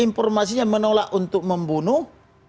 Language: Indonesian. informasinya menolak untuk membunuh